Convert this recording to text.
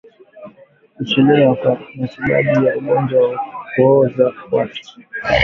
Kuchelewa kwa matibabu ya ugonjwa wa kuoza kwato